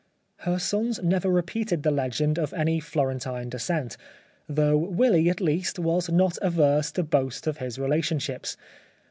Her sons never repeated the legend of any Florentine descent, though Willy, at least, was not averse to boast of his relationships.